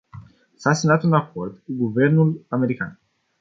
S-a semnat un acord cu guvernul american.